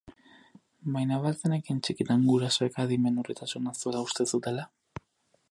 Baina ba al zenekien txikitan gurasoek adimen urritasuna zuela uste zutela?